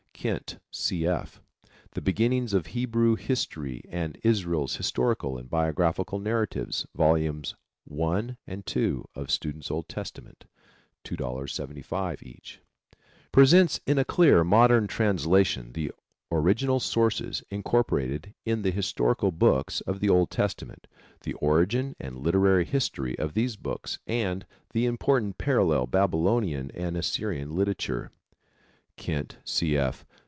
Kent, C. F., The Beginnings of Hebrew History and Israel's Historical and Biographical Narratives. (Vols. I and II of Student's Old Testament.) $2.75 each. Presents in a clear, modern translation the original sources incorporated in the historical books of the Old Testament, the origin and literary history of these books, and the important parallel Babylonian and Assyrian literature. Kent, C. F.